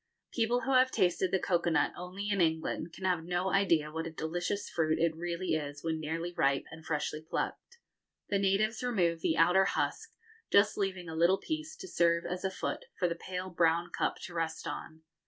People who have tasted the cocoa nut only in England can have no idea what a delicious fruit it really is when nearly ripe and freshly plucked. The natives remove the outer husk, just leaving a little piece to serve as a foot for the pale brown cup to rest on.